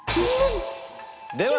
では。